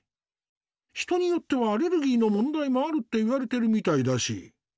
人によってはアレルギーの問題もあるっていわれてるみたいだし。